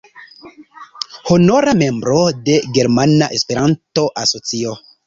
Honora membro de Germana Esperanto-Asocio.